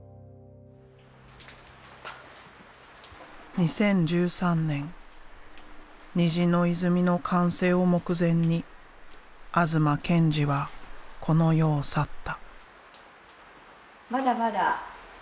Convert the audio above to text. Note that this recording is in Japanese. ２０１３年「虹の泉」の完成を目前に東健次はこの世を去った。